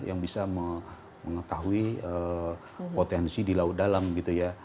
yang bisa mengetahui potensi di laut dalam gitu ya